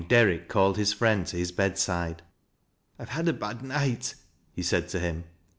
Derrick called his friend to hia bedside. " I have had a bad night," he said to him.